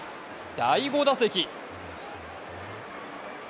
第５打席。